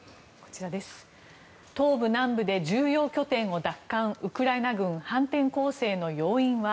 東部、南部で重要拠点を奪還ウクライナ軍反転攻勢の要因は？